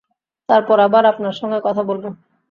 তারপর আবার আপনার সঙ্গে কথা বলব।